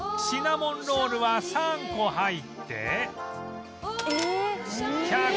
シナモンロールは３個入って